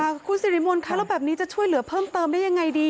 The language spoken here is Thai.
คุณสิริมนต์คะแล้วแบบนี้จะช่วยเหลือเพิ่มเติมได้ยังไงดี